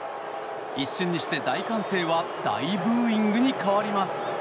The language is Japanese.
一瞬にして大歓声は大ブーイングに変わります。